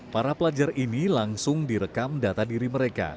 para pelajar ini langsung direkam data diri mereka